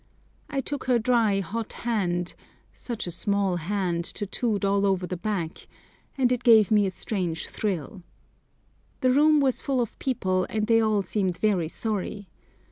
I took her dry, hot hand—such a small hand, tattooed all over the back—and it gave me a strange thrill. The room was full of people, and they all seemed very sorry.